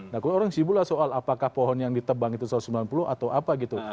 nah kalau orang sibuk lah soal apakah pohon yang ditebang itu satu ratus sembilan puluh atau apa gitu